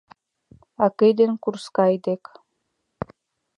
Акый ден курскай дек: